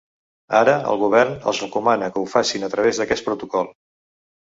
Ara el govern els recomana que ho facin a través d’aquest protocol.